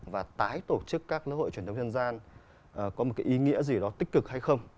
và tái tổ chức các lễ hội truyền thống dân gian có một cái ý nghĩa gì đó tích cực hay không